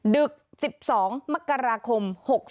ดึก๑๒มกราคม๖๒